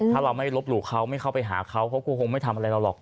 ถ้าเราไม่ลบหลู่เขาไม่เข้าไปหาเขาเขาก็คงไม่ทำอะไรเราหรอก